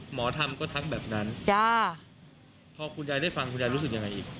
หมอทำก็ทักแบบนั้นจ้าพอคุณยายได้ฟังคุณยายรู้สึกยังไงอีก